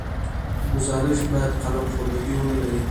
ګزارش باید قلم خوردګي ونه لري.